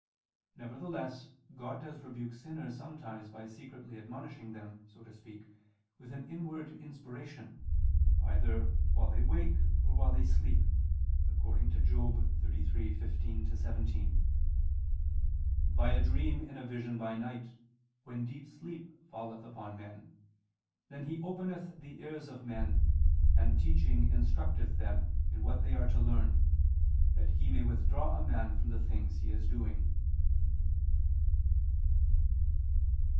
Nevertheless God does rebuke sinners sometimes by secretly admonishing them, so to speak, with an inward inspiration, either while they wake or while they sleep, according to Job 33:15 17: "By a dream in a vision by night, when deep sleep falleth upon men ... then He openeth the ears of men, and teaching instructeth them in what they are to learn, that He may withdraw a man from the things he is doing."